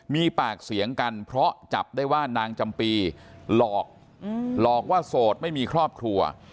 มีปากเสียงกันเพราะจับได้ว่านางจำปีหลอกหลอกว่าโสดไม่มีครอบครัว